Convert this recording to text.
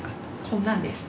こんなのです。